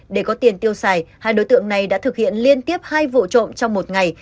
để có tiền tiêu xài hai đối tượng này đã thực hiện liên tiếp hai vụ trộm trong một ngày